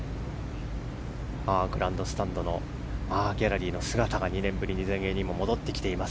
グランドスタンドのギャラリーの姿が２年ぶりに全英にも戻ってきています。